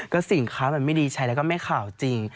ก็สินค้ามันไม่ดีใช้แล้วก็ไม่ข่าวจริง